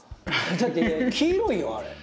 だって黄色いよあれ。